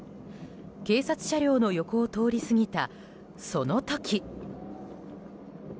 警察車両の横を通り過ぎたその時。